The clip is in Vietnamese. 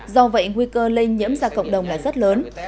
do vậy nguy cơ lây nhiễm ra cộng đồng là rất lớn